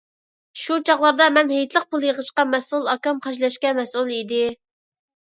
شۇ چاغلاردا، مەن ھېيتلىق پۇل يىغىشقا مەسئۇل ، ئاكام خەجلەشكە مەسئۇل ئىدى.